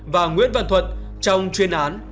và nguyễn văn thuật trong chuyên án